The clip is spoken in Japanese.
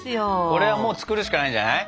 これはもう作るしかないんじゃない？